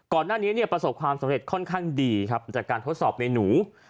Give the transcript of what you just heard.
ก่อนหน้านี้ประสบความสำเร็จค่อนข้างดีจากการทดสอบในหนู